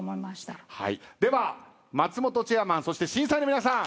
では松本チェアマンそして審査員の皆さん